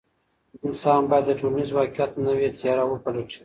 انسان باید د ټولنیز واقعیت نوې څېره وپلټي.